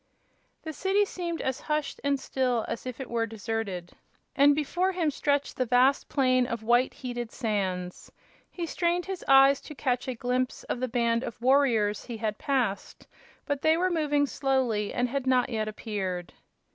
The city seemed as hushed and still as if it were deserted, and before him stretched the vast plain of white, heated sands. He strained his eyes to catch a glimpse of the band of warriors he had passed, but they were moving slowly and had not yet appeared.